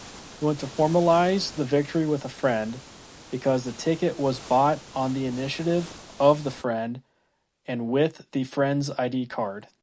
He went to formalize the victory with a friend, because the ticket was bought on the initiative of the friend and with the friends ID card.